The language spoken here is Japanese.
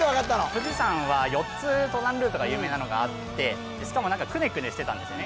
富士山は４つ登山ルートが有名なのがあってしかもクネクネしてたんですよね